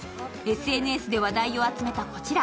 ＳＮＳで話題を集めたこちら。